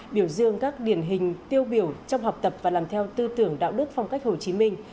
biểu dương các điển hình tiêu biểu trong học tập và làm theo tư tưởng đạo đức phong cách hồ chí minh